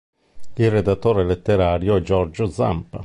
Il redattore letterario è Giorgio Zampa.